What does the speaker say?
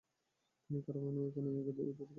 তিনি কারামানের রাজধানী কোনিয়া অধিকার করেছিলেন।